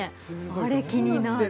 あれ気になる